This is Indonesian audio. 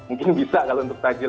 mungkin bisa kalau untuk takjil